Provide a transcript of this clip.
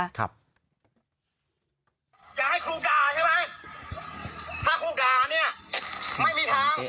อยากให้ครูด่าใช่ไหมถ้าครูด่าเนี่ยไม่มีทางครูไม่มีเสียงเบา